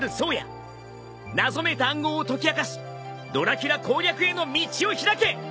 謎めいた暗号を解き明かしドラキュラ攻略への道を開け！